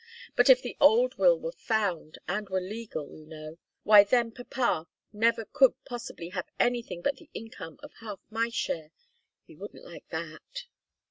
But if the old will were found, and were legal, you know why then papa never could possibly have anything but the income of half my share. He wouldn't like that."